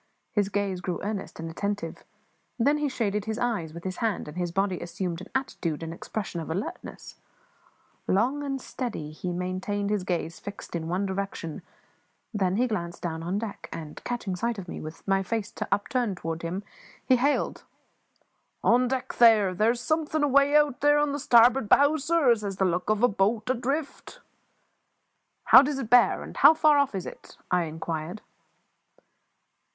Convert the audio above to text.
His gaze grew earnest and attentive; then he shaded his eyes with his hand, and his body assumed an attitude and expression of alertness. Long and steadily he maintained his gaze in one fixed direction; then he glanced down on deck, and, catching sight of me with my face upturned toward him, he hailed "On deck, there! There's something away out here on the starboard bow, sir, as has the look of a boat adrift." "How does it bear, and how far off is it?" I inquired.